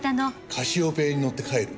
カシオペアに乗って帰る。